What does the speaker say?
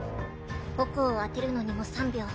矛を当てるのにも３秒。